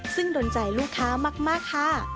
ซึ่งโดนใจลูกค้ามากค่ะ